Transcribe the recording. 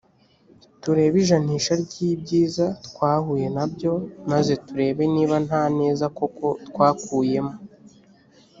turebe ijanisha ry’ibyiza twahuye na byo maze turebe niba nta neza koko twakuyemo